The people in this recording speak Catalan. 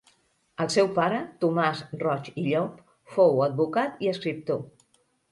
El seu pare, Tomàs Roig i Llop, fou advocat i escriptor.